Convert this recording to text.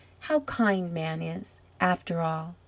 How kind man is, after all!